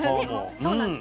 そうなんです。